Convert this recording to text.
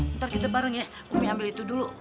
ntar kita bareng ya kami ambil itu dulu